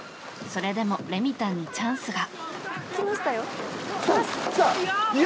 それでもレミたんにチャンスが。